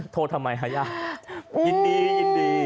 โทษทำไมค่ะญาติยินดียินดี